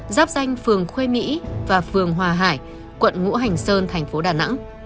giáp danh phường khuê mỹ và phường hòa hải quận ngũ hành sơn thành phố đà nẵng